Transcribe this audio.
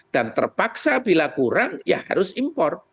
terpaksa bila kurang ya harus impor